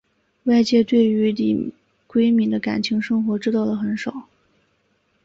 外界对于李闰珉的感情生活知道的很少。